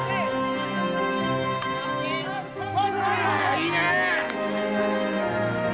いいね！